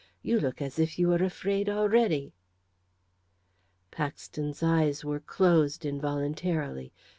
You look as if you were afraid already." Paxton's eyes were closed, involuntarily.